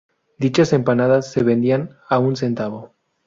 Dichas empanadas se vendían a un centavo.